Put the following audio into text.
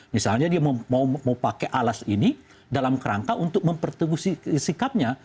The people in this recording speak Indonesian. misalnya dia mau pakai alas ini dalam kerangka untuk memperteguh sikapnya